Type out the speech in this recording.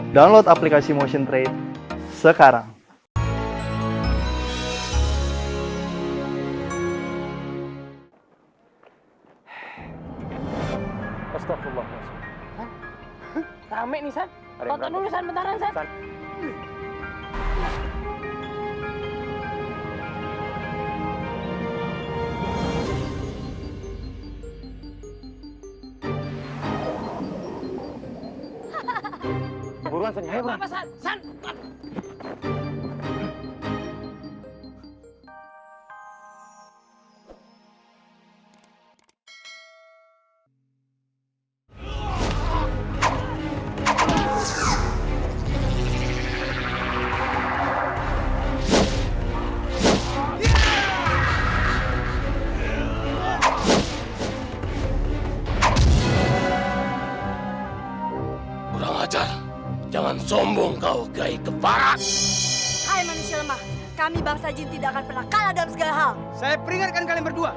download aplikasi motion trade sekarang